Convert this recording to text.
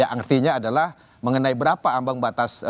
artinya adalah mengenai berapa ambang batas